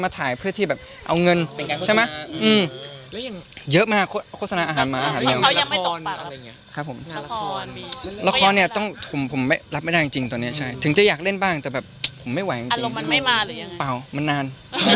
หมายความว่าเราจะไม่มีโอกาสได้เห็นแน็ตในหน้าจอทีวีงานราคอเลยหรอ